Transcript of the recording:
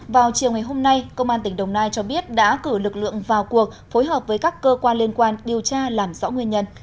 vào chiều ngày hôm nay công an tỉnh đồng nai cho biết đã cử lực lượng vào cuộc phối hợp với các cơ quan liên quan điều tra làm rõ nguyên nhân